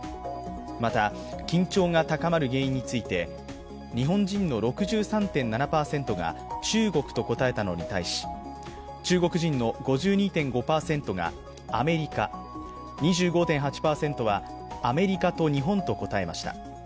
また緊張が高まる原因について日本人の６３．７％が中国と答えたのに対し、中国人の５２．５％がアメリカ２５．８％はアメリカと日本と答えました。